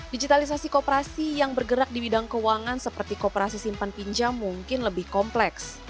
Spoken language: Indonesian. digitalisasi kooperasi yang bergerak di bidang keuangan seperti kooperasi simpan pinjam mungkin lebih kompleks